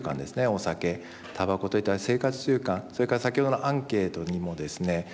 お酒たばこといった生活習慣それから先ほどのアンケートにもですね